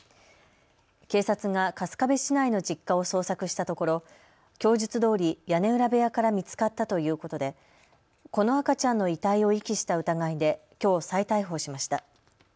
警察が春日部市内の実家を捜索したところ供述どおり屋根裏部屋から見つかったということでこの赤ちゃんの遺体を遺棄した疑いできょう再逮捕しました。